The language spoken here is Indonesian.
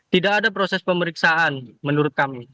tidak ada proses pemeriksaan menurut kami